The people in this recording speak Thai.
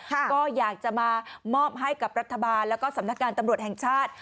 ก็อยากจะมามอบให้กับรัฐบาลแล้วก็สำนักงานตำรวจแห่งชาติ